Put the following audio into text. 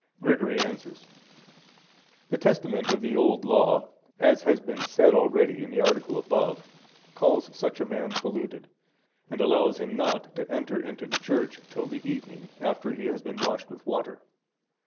Gregory answers.—The Testament of the Old Law, as has been said already in the article above, calls such a man polluted, and allows him not to enter into the church till the evening, after being washed with water.